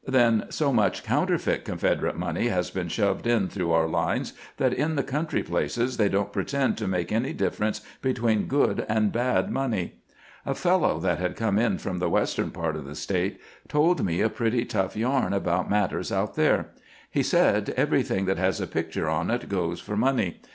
Then so much coun terfeit Confederate money has been shoved in through our lines that in the country places they don't pretend to make any difference between good and bad money. A fellow that had come in from the western part of the State told me a pretty tough yarn about matters out there. He said :* Everything that has a picture on it goes for money.